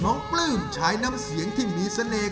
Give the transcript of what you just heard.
ปลื้มใช้น้ำเสียงที่มีเสน่ห